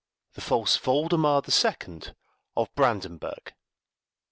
THE FALSE VOLDEMAR THE SECOND OF BRANDENBURG.